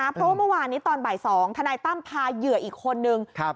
เพราะว่าเมื่อวานนี้ตอนบ่าย๒ทนายตั้มพาเหยื่ออีกคนนึง